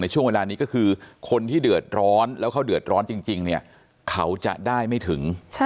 ช่วงเวลานี้ก็คือคนที่เดือดร้อนแล้วเขาเดือดร้อนจริงเนี่ยเขาจะได้ไม่ถึง